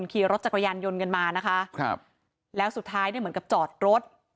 ขี่รถจักรยานยนต์กันมานะคะครับแล้วสุดท้ายเนี่ยเหมือนกับจอดรถ